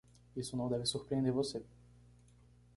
Isso não deve surpreender você.